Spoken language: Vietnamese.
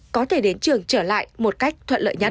có thể đến trường trở lại một cách thuận lợi nhất